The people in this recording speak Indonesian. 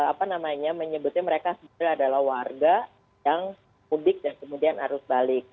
apa namanya menyebutnya mereka sebenarnya adalah warga yang mudik dan kemudian arus balik